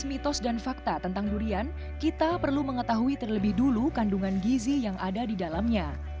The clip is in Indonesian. berbicara tentang durian kita perlu mengetahui terlebih dulu kandungan gizi yang ada di dalamnya